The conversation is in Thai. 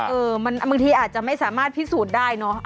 บางทีอาจจะไม่สามารถพิสูจน์ได้เนอะ